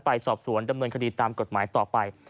ไปสอบสวนดำเนินคดีตามกฎหมายต่อไป